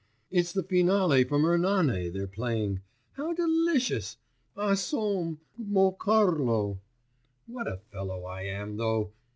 'It's the finale from Ernani they're playing. How delicious!... A som ... mo Carlo.... What a fellow I am, though!